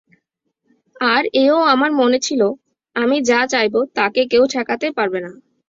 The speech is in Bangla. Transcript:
আর এও আমার মনে ছিল, আমি যা চাইব তাকে কেউ ঠেকাতে পারবে না।